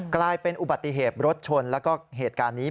กลายเป็นอุบัติเหตุรถชนแล้วก็เหตุการณ์นี้